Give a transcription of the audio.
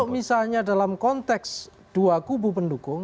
kalau misalnya dalam konteks dua kubu pendukung